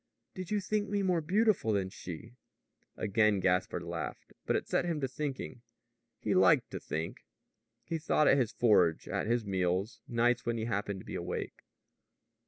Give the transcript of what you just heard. "Did you think me more beautiful than she?" Again Gaspard laughed; but it set him to thinking. He liked to think. He thought at his forge, at his meals, nights when he happened to be awake.